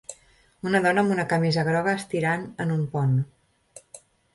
Una dona amb una camisa groga estirant en un pont.